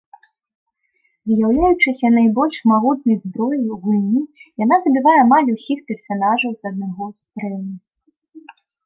З'яўляючыся найбольш магутнай зброяй у гульні, яна забівае амаль усіх персанажаў з аднаго стрэлу.